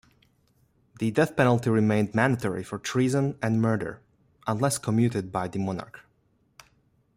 The death penalty remained mandatory for treason and murder unless commuted by the monarch.